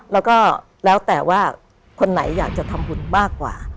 แล้วก็แล้วแต่ว่าคนไหนอยากจะทำบุญมากกว่า